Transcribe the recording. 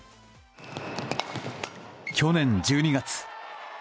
去年１２月。